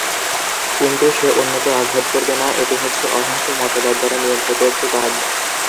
কিন্তু সে অন্যকে আঘাত করবে না- এটি হচ্ছে অহিংস মতবাদ দ্বারা নিয়ন্ত্রিত একটি কাজ।